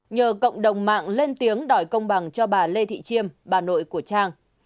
nhờ cộng đồng mạng lên tiếng đòi công bằng cho bà lê thị chiêm bà nội của trang